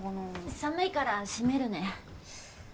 寒いから閉めるね。